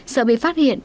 sợ bị phát hiện